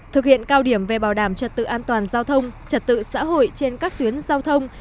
thực hiện cao điểm về bảo đảm trật tự an toàn giao thông trật tự xã hội trên các tuyến giao thông